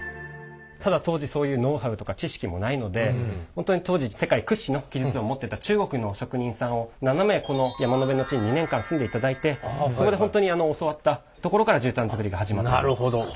ただ当時そういうノウハウとか知識もないので本当に当時世界屈指の技術を持ってた中国の職人さんを７名この山辺の地に２年間住んでいただいてそこで本当に教わったところから絨毯づくりが始まった。